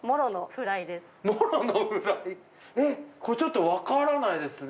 えっこれちょっとわからないですね。